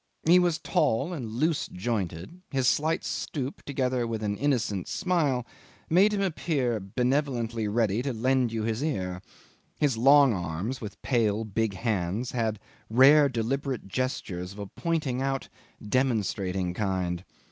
He was tall and loose jointed; his slight stoop, together with an innocent smile, made him appear benevolently ready to lend you his ear; his long arms with pale big hands had rare deliberate gestures of a pointing out, demonstrating kind.